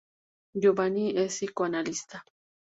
Giovanni es psicoanalista.